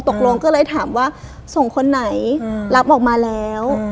ตกลงก็เลยถามว่าส่งคนไหนรับออกมาแล้ว